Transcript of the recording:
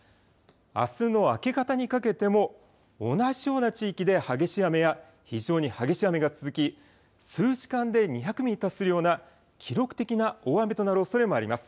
あすの明け方にかけても同じような地域で激しい雨や非常に激しい雨が続き数時間で２００ミリに達するような記録的な大雨となるおそれもあります。